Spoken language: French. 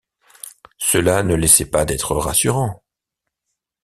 Cela ne laissait pas d’être rassurant.